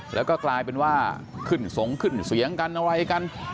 แล้วก็กลายเป็นว่าขึ้นสงขึ้นเสียงกันอะไรกัน